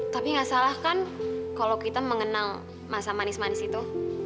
tapi nggak salah kan kalau kita mengenal masa manis manis itu